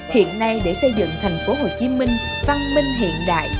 hiện nay để xây dựng thành phố hồ chí minh văn minh hiện đại